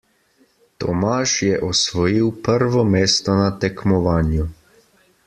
Tomaž je osvojil prvo mesto na tekmovanju.